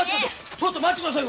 ちょっと待って下さい！